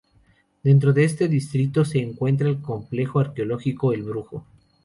Dentro de este distrito se encuentra el complejo arqueológico El Brujo.